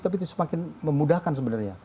tapi semakin memudahkan sebenarnya